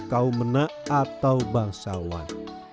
kaum mena atau bangsawan